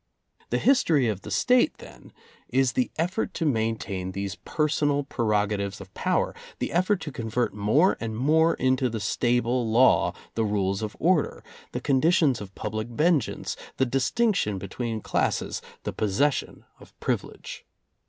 The history of the State, then, is the effort to maintain these personal prerogatives of power, the effort to convert more and more into stable law tfre rules of order, the conditions of public vengeance, the distinction between classes, the possession of privilege.